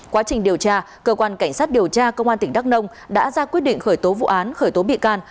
quá trình điều tra cơ quan cảnh sát điều tra công an tỉnh đắk nông đã ra quyết định khởi tố vụ án khởi tố bị can